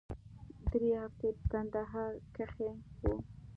درې هفتې په کندهار کښې وو.